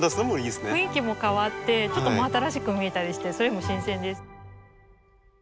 雰囲気も変わってちょっと真新しく見えたりしてそれも新鮮です。